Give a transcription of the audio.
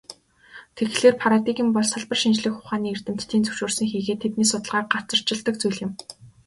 Тэгэхлээр, парадигм бол салбар шинжлэх ухааны эрдэмтдийн зөвшөөрсөн хийгээд тэдний судалгааг газарчилдаг зүйл юм.